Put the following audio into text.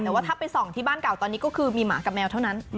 แต่ว่าถ้าไปส่องที่บ้านเก่าตอนนี้ก็คือมีหมากับแมวเท่านั้น